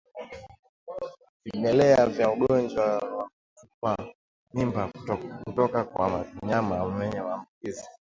Vimelea vya ugonjwa wa kutupa mimba kutoka kwa mnyama mwenye maambukizi